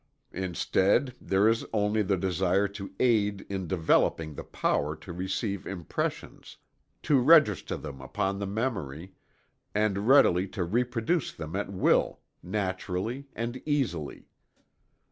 Instead, there is only the desire to aid in developing the power to receive impressions, to register them upon the memory, and readily to reproduce them at will, naturally and easily.